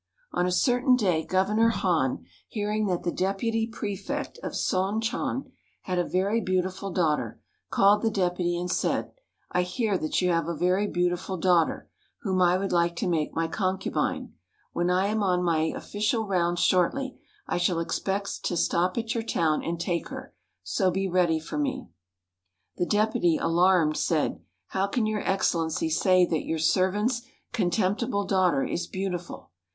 On a certain day Governor Han, hearing that the Deputy Prefect of Son chon had a very beautiful daughter, called the Deputy, and said, "I hear that you have a very beautiful daughter, whom I would like to make my concubine. When I am on my official rounds shortly, I shall expect to stop at your town and take her. So be ready for me." The Deputy, alarmed, said, "How can your Excellency say that your servant's contemptible daughter is beautiful?